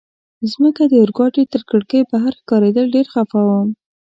مځکه د اورګاډي تر کړکۍ بهر ښکارېدل، ډېر خفه وم.